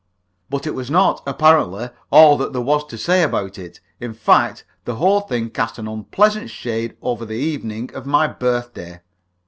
But it was not, apparently, all that there was to say about it. In fact, the whole thing cast an unpleasant shade over the evening of my birthday.